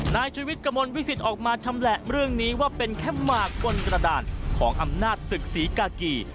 ชีวิตกระมวลวิสิตออกมาชำแหละเรื่องนี้ว่าเป็นแค่หมากบนกระดานของอำนาจศึกศรีกากี